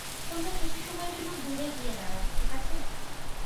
তোমরা কিছু সময়ের জন্য দূরে গিয়ে দাঁড়াও ঠিক আছে?